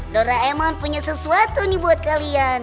doraemon punya sesuatu nih buat kalian